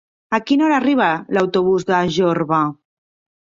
A quina hora arriba l'autobús de Jorba?